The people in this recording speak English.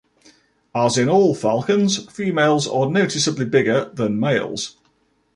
As in all falcons, females are noticeably bigger than males.